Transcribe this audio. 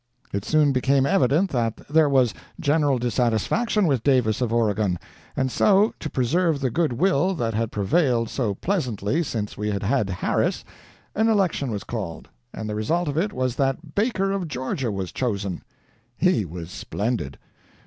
It soon became evident that there was general dissatisfaction with Davis of Oregon, and so, to preserve the good will that had prevailed so pleasantly since we had had Harris, an election was called, and the result of it was that Baker of Georgia was chosen. He was splendid!